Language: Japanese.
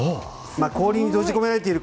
氷に閉じ込められている